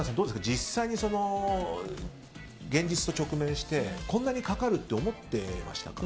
実際に現実と直面してこんなにかかるって思ってましたか？